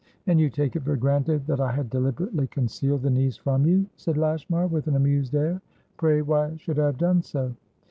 "And you take it for granted that I had deliberately concealed the niece from you?" said Lashmar, with an amused air. "Pray, why should I have done so?"